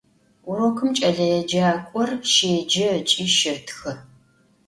Vurokım ç'eleêcak'or şêce ıç'i şetxe.